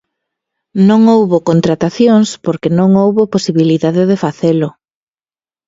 Non houbo contratacións porque non houbo posibilidade de facelo.